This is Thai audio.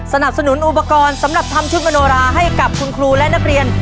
สนับสนุนอุปกรณ์สำหรับทำชุดมโนราให้กับคุณครูและนักเรียน